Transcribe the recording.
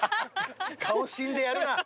顔死んでやるな。